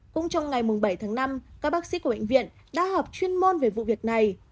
cũng trong ngày bảy tháng năm các bác sĩ của bệnh viện đã họp chuyên môn về vụ việc này